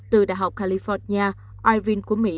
từ đại học california irving của mỹ